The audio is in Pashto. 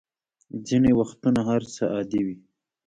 ځینې وختونه هر څه عادي وي.